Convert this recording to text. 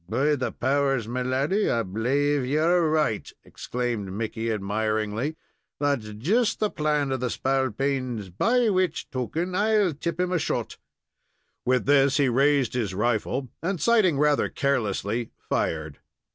"Be the powers, me laddy, I b'lave ye are right!" exclaimed Mickey, admiringly. "That's just the plan of the spalpeens, by which towken, I'll tip him a shot." With this he raised his rifle, and, sighting rather carelessly, fired.